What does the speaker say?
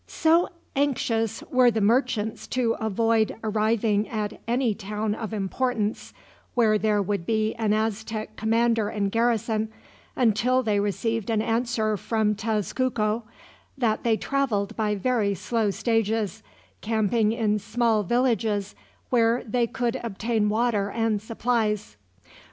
So anxious were the merchants to avoid arriving at any town of importance, where there would be an Aztec commander and garrison, until they received an answer from Tezcuco, that they traveled by very slow stages, camping in small villages where they could obtain water and supplies.